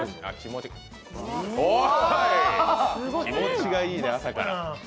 おい、気持ちがいいね、朝から。